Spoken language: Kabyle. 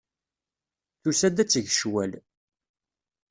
Tusa-d ad teg ccwal.